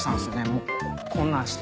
もうこんなんして。